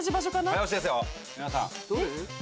早押しですよ皆さん。